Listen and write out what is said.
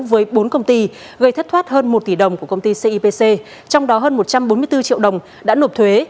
với bốn công ty gây thất thoát hơn một tỷ đồng của công ty cipc trong đó hơn một trăm bốn mươi bốn triệu đồng đã nộp thuế